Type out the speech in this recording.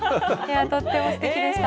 とってもすてきでした。